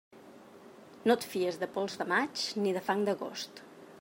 No et fies de pols de maig ni de fang d'agost.